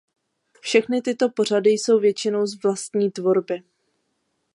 Všechny tyto pořady jsou většinou z vlastní tvorby.